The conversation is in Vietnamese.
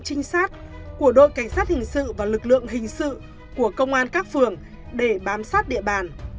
trinh sát của đội cảnh sát hình sự và lực lượng hình sự của công an các phường để bám sát địa bàn